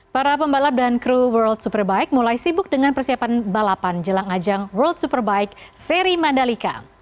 para pembalap dan kru world superbike mulai sibuk dengan persiapan balapan jelang ajang world superbike seri mandalika